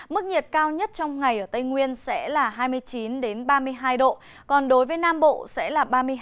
mức nhiệt cao nhất trong ngày ở tây nguyên sẽ là hai mươi chín ba mươi hai độ còn đối với nam bộ sẽ là ba mươi hai